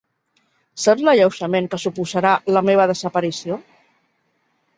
Saps l'alleujament que suposarà la meva desaparició?